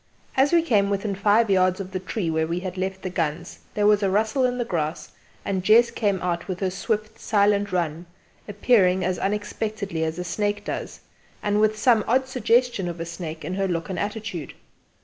As we came within five yards of the tree where we had left the guns there was a rustle in the grass, and Jess came out with her swift silent run, appearing as unexpectedly as a snake does, and with some odd suggestion of a snake in her look and attitude.